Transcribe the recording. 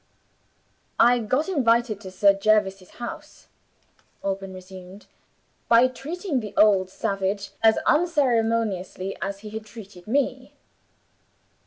"I got invited to Sir Jervis's house," Alban resumed, "by treating the old savage as unceremoniously as he had treated me.